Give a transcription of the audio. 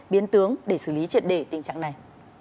biến tướng để xử lý triệt đề tình trạng này